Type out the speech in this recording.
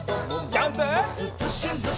ジャンプ！